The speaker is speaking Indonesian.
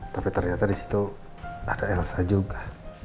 tapi ternyata di situ ada elsa juga